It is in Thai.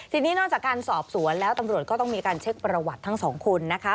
ทีนี้นอกจากการสอบสวนแล้วตำรวจก็ต้องมีการเช็คประวัติทั้งสองคนนะคะ